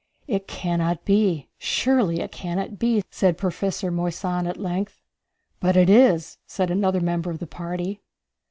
"It cannot be, surely it cannot be," said Professor Moissan at length. "But it is," said another member of the party.